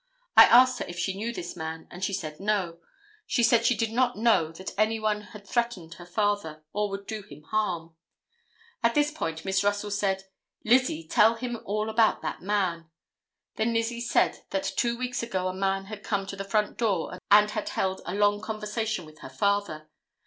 I asked her if she knew this man, and she said no. She said she did not know that any one had threatened her father or would do him harm. At this point Miss Russell said: 'Lizzie, tell him all about that man.' Then Lizzie said that two weeks ago a man had come to the front door and had held a long conversation with her father.